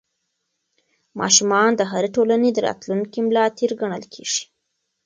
ماشومان د هرې ټولنې د راتلونکي ملا تېر ګڼل کېږي.